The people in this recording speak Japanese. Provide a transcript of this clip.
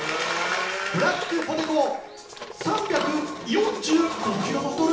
ブラックポテ子３４５キロバトル。